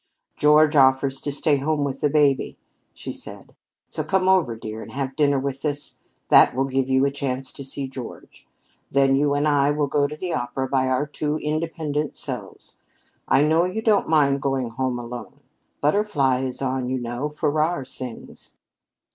"George offers to stay home with the baby," she said. "So come over, dear, and have dinner with us; that will give you a chance to see George. Then you and I will go to the opera by our two independent selves. I know you don't mind going home alone. 'Butterfly' is on, you know Farrar sings."